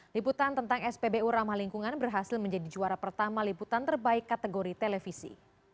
liputan tentang spbu ramah lingkungan berhasil menjadi juara pertama liputan terbaik kategori televisi